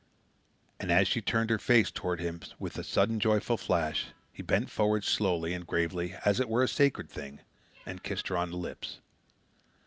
And as she turned her face toward his with a sudden joyful flash, he bent forward, slowly and gravely, as it were a sacred thing, and kissed her on the lips.